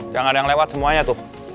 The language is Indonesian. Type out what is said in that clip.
jangan yang lewat semuanya tuh